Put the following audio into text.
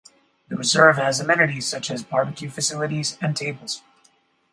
The reserve has amenities such as barbecue facilities and tables.